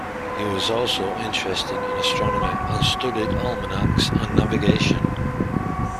He was also interested in astronomy and studied almanacs and navigation.